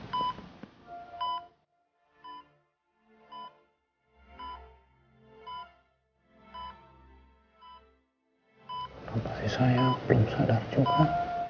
kenapa sih saya belum sadar juga